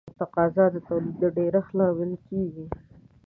تقاضا د تولید د ډېرښت لامل کیږي.